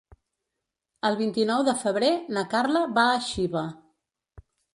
El vint-i-nou de febrer na Carla va a Xiva.